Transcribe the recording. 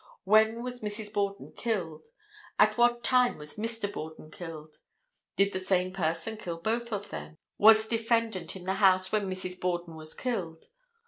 When was Mrs. Borden killed? At what time was Mr. Borden killed? Did the same person kill both of them? Was defendant in the house when Mrs. Borden was killed?